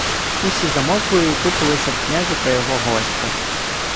Усі замовкли й утупилися в князя та його гостя.